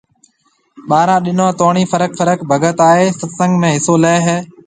ٻارهون ڏنون توڻِي فرق فرق ڀگت آئيَ ست سنگ ۾ حصو ليَ هيَ